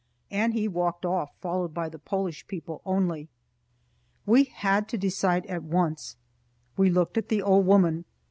And he walked off, followed by the Polish people only. We had to decide at once. We looked at the old woman.